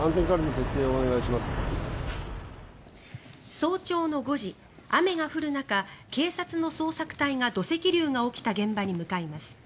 早朝の５時、雨が降る中警察の捜索隊が土石流が起きた現場に向かいます。